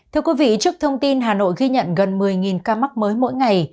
thưa quý vị trước thông tin hà nội ghi nhận gần một mươi ca mắc mới mỗi ngày